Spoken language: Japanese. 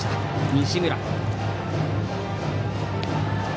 西村。